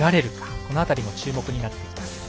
この辺りも注目になってきます。